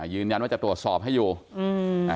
ยืนยันว่าจะตรวจสอบให้อยู่อืม